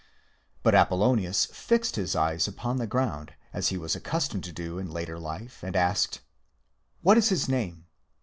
But ; Apollonius fixed his eyes upon the ground, as he was i accustomed to do in later life, and asked: " What _ is his name?"